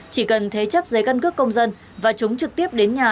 chỉ cần thế chấp giấy căn cước công dân và chúng trực tiếp đến nhà